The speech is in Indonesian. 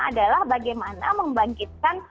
adalah bagaimana membangkitkan